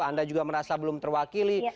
anda juga merasa belum terwakili